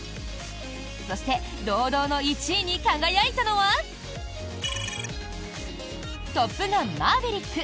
そして堂々の１位に輝いたのは「トップガンマーヴェリック」。